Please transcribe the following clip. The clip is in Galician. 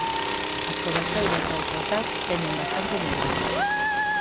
As cobertoiras baixo as ás teñen bastante negro.